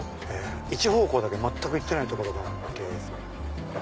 一方向だけ全く行ってない所があって。